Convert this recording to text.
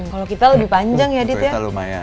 kalau kita lebih panjang ya dit ya